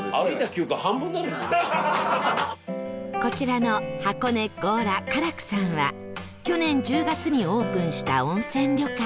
こちらの箱根・強羅佳ら久さんは去年１０月にオープンした温泉旅館